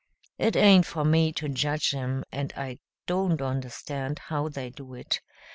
It aint for me to judge 'em, and I don't understand how they do it.